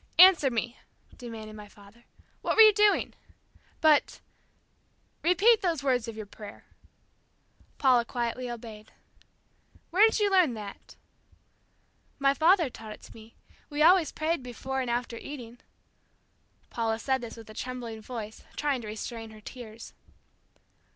"Answer me," demanded my father. "What were you doing?" "But ..." "Repeat those words of your prayer." Paula quietly obeyed. "Where did you learn that?" "My father taught it to me. We always prayed before and after eating." Paula said this with a trembling voice, trying to restrain her tears.